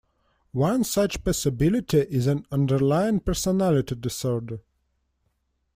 One such possibility is an underlying personality disorder.